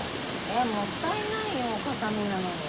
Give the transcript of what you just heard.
えもったいないよ形見なのに。